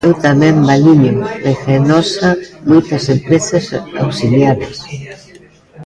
E tamén Baliño, Regenosa, moitas empresas auxiliares.